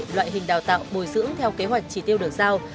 loại hình đào tạo bồi dưỡng theo kế hoạch chỉ tiêu được giao